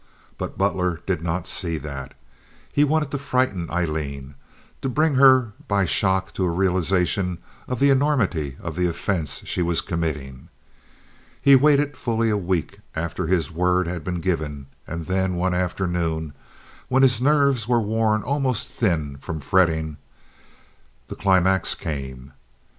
But Butler did not see that. He wanted to frighten Aileen, to bring her by shock to a realization of the enormity of the offense she was committing. He waited fully a week after his word had been given; and then, one afternoon, when his nerves were worn almost thin from fretting, the climax came.